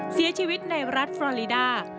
เสียชีวิตในรัฐฟรอลีดา